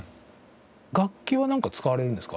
楽器はなんか使われるんですか？